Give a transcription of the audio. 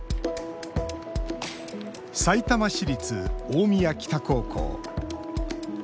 さいたま市立大宮北高校。